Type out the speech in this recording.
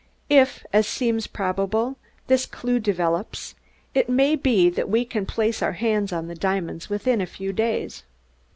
If, as seems probable, this clew develops, it may be that we can place our hands on the diamonds within a few days."